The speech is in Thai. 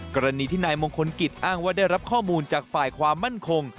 กรณีที่นายมงคลกิจอ้างว่าได้รับข้อมูลจากฝ่ายความมั่นคง